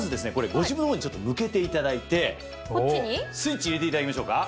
ご自分の方に向けていただいてスイッチ入れていただきましょうか。